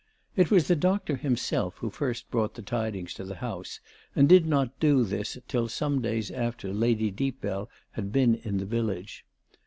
It was the doctor himself who first brought the tidings to the house, and did not do this till some days after Lady Deepbell had been in the village.